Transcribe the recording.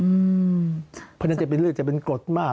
เพราะฉะนั้นจะเป็นเรื่องจะเป็นกฎมาก